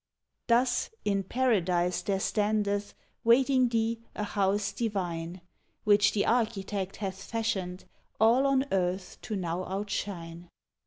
Thus, in Paradise there standeth Waiting thee, a House divine, Which the Architect hath fashioned All on Earth to now outshine!"